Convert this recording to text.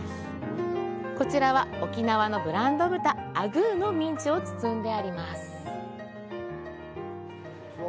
こちらは、沖縄のブランド豚、アグーのミンチを包んであります。